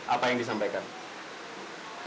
apa yang disampaikan